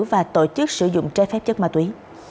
và tổ chức sử dụng trái phép chất ma túy